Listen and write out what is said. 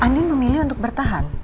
andin memilih untuk bertahan